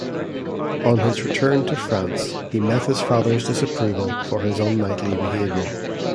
On his return to France, he met his father's disapproval for his unknightly behavior.